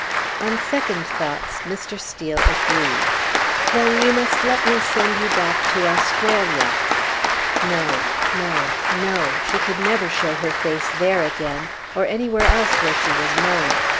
On second thoughts, Mr. Steel agreed. "Then you must let me send you back to Australia." No, no, no; she could never show her face there again, or anywhere else where she was known.